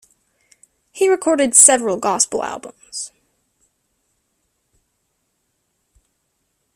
He recorded several gospel albums.